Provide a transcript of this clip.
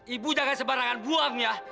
ibu jangan sebarangan buang ya